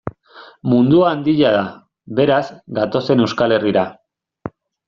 Mundua handia da, beraz, gatozen Euskal Herrira.